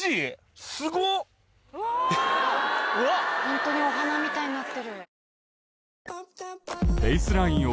ホントにお花みたいになってる。